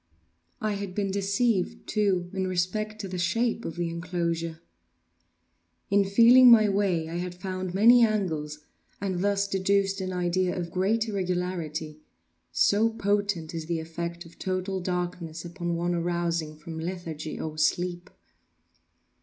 I had been deceived, too, in respect to the shape of the enclosure. In feeling my way I had found many angles, and thus deduced an idea of great irregularity; so potent is the effect of total darkness upon one arousing from lethargy or sleep!